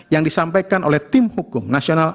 yang disampaikan oleh tim hukum nasional